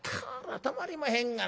たまりまへんがな。